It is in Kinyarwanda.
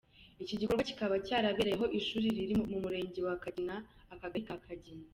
Iki gikorwa kikaba cyarabereye aho ishuri riri mu murenge wa Kagina akagari ka Kagina.